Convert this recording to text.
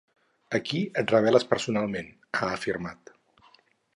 "Aquí et rebel·les personalment", ha afirmat.